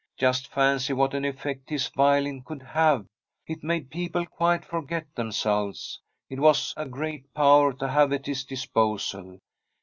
Just fancy what an effect his violin could have I It made people quite forget themselves. It was a g^eat power to have at his disposal.